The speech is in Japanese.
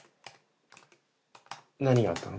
何があったの？